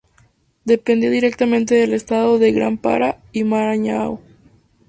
Dependía directamente del Estado del Gran Pará y Maranhão.